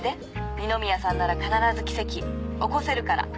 二宮さんなら必ず奇跡起こせるから。